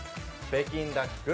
北京ダック。